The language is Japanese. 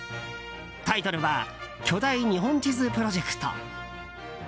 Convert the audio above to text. タイトルは巨大日本地図プロジェクト。